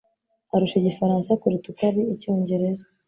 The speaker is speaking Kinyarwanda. arusha igifaransa kuruta uko ari icyongereza.